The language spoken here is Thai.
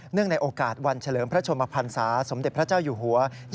ในโอกาสวันเฉลิมพระชมพันศาสมเด็จพระเจ้าอยู่หัว